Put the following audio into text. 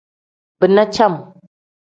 Bina cem.